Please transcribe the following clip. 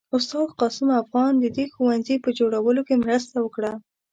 استاد قاسم افغان د دې ښوونځي په جوړولو کې مرسته وکړه.